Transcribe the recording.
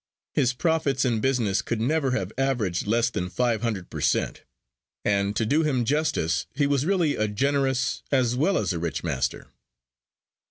His profits in business could never have averaged less than five hundred per cent; and, to do him justice, he was really a generous as well as a rich master.